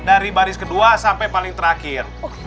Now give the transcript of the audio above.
dari baris kedua sampai paling terakhir